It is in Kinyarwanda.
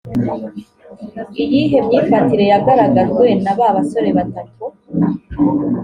iyihe myifatire yagaragajwe na ba basore batatu